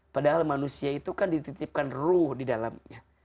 padahal manusia itu kan dititipkan ruh di dalamnya